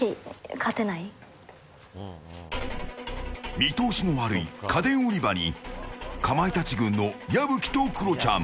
見通しの悪い家電売り場にかまいたち軍の矢吹とクロちゃん